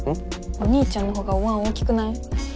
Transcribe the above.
お兄ちゃんのほうがおわん大きくない？